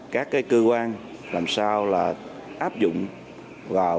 các cơ quan làm sao là áp dụng vào